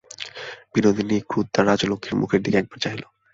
বিনোদিনী ক্রুদ্ধা রাজলক্ষ্মীর মুখের দিকে একবার চাহিল।